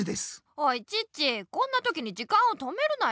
おいチッチこんなときに時間を止めるなよ。